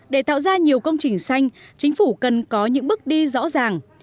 để tạo ra nhiều công trình xanh chính phủ cần có những bước đi rõ ràng